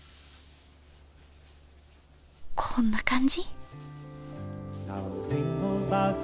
こんな感じ？